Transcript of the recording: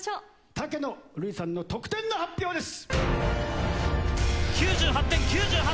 竹野留里さんの得点の発表です！